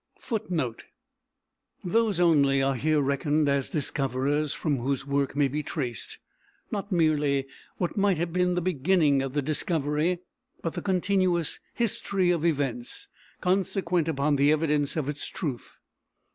FOOTNOTE: Those only are here reckoned as discoverers from whose work may be traced not merely what might have been the beginning of the discovery, but the continuous history of events, consequent upon the evidence of its truth.